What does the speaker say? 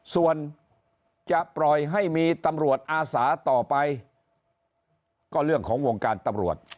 ส่วนจะปล่อยให้มีตำรวจอาสาต่อไปก็เรื่องของวงการตำรวจ